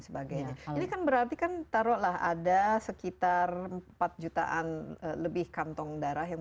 sebagainya ini kan berarti kan taruhlah ada sekitar empat jutaan lebih kantong darah yang